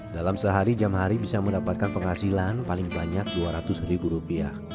dalam sehari jam hari bisa mendapatkan penghasilan paling banyak rp dua ratus ribu rupiah